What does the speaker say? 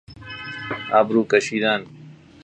ابرو کشیدن